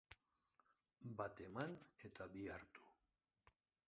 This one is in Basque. Bat eman eta bi hartu.